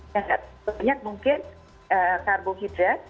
yang banyak mungkin karbohidrat